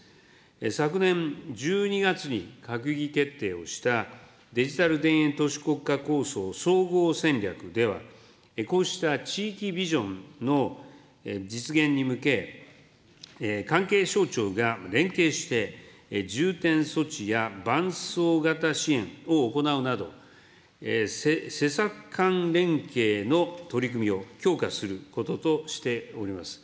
昨年１２月に閣議決定をしたデジタル田園都市国家構想総合戦略では、こうした地域ビジョンの実現に向け、関係省庁が連携して、重点措置や伴走型支援を行うなど、施策間連携の取り組みを強化することとしております。